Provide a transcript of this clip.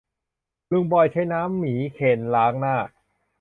ลุงบอยใช้น้ำหมีเคนล้างหน้า